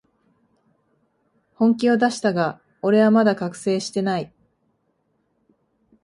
本気を出したが、俺はまだ覚醒してない